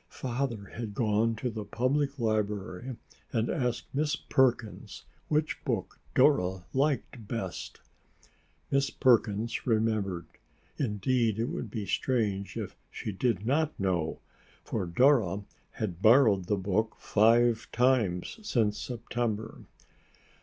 Father had gone to the Public Library and asked Miss Perkins which book Dora liked best. Miss Perkins remembered. Indeed, it would be strange if she did not know, for Dora had borrowed the book five times since September.